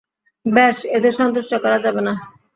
বেশ, এতে সন্তুষ্ট করা যাবে না।